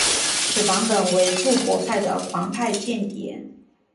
此版本为注博派的狂派间谍。